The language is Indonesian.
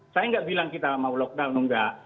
saya tidak bilang kita mau lockdown enggak